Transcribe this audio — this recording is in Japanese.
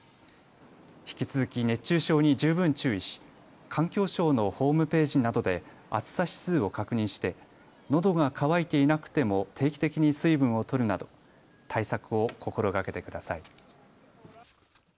引き続き熱中症に十分注意し環境省のホームページなどで暑さ指数を確認してのどが乾いていなくても定期的に水分を取るなど対策を心がけてください。